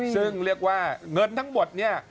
ซึ่งเรียกว่าเงินทั้งหมดเนี่ย